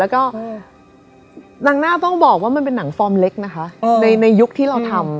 แล้วก็หนังหน้าต้องบอกว่ามันเป็นหนังฟอร์มเล็กนะคะในยุคที่เราทำ